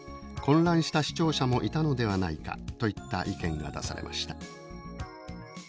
混乱した視聴者もいたのではないか」といった意見が出されました。